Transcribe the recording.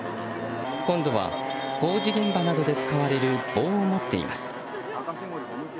今度は工事現場などで使われる棒を持っています。